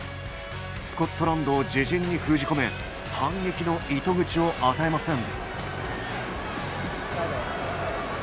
スコットランドを自陣に封じ込め反撃の糸口を与えません。